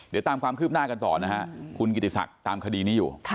เดี๋ยวตามความคืบหน้ากันต่อนะฮะคุณกิติศักดิ์ตามคดีนี้อยู่